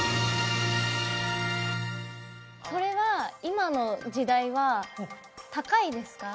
それは今の時代は高いですか？